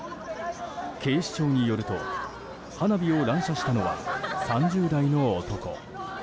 警視庁によると花火を乱射したのは３０代の男。